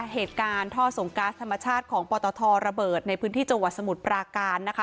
เหตุการณ์ท่อส่งก๊าซธรรมชาติของปตทระเบิดในพื้นที่จังหวัดสมุทรปราการนะคะ